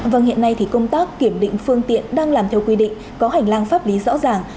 vâng hiện nay thì công tác kiểm định phương tiện đang làm theo quy định có hành lang pháp lý rõ ràng